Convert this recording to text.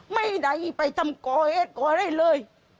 ไม่ได้ไปทำก่อเอดก่อได้เลย